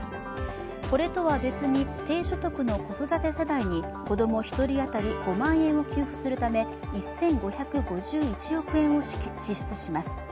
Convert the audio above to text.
これとは別に低所得の子育て世帯に子供１人当たり５万円を給付するため給付するため１５５１億円を支出します。